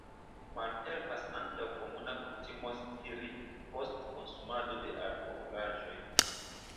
Malhelpas ankaŭ komuna kutimo stiri post konsumado de alkoholaĵoj.